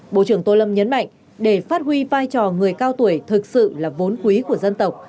bộ trưởng tô lâm nhấn mạnh để phát huy vai trò người cao tuổi thực sự là vốn quý của dân tộc